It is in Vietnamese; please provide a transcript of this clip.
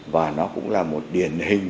và nó cũng là một điển hình